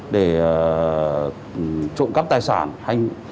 để trộm cắp tài sản